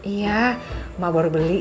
iya mak baru beli